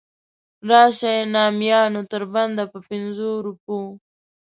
راشئ نامیانو تر بنده په پنځو روپو.